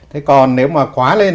thế còn nếu mà quá lên